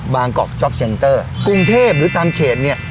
กอกจ๊อปเชนเตอร์กรุงเทพหรือตามเขตเนี่ย